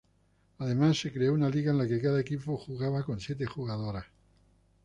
Además se creo una liga en la que cada equipo jugaba con siete jugadoras.